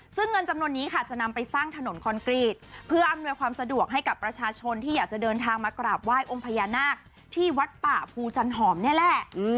ซึ่งเงินจำนวนนี้ค่ะจะนำไปสร้างถนนคอนกรีตเพื่ออำนวยความสะดวกให้กับประชาชนที่อยากจะเดินทางมากราบไหว้องค์พญานาคที่วัดป่าภูจันหอมนี่แหละ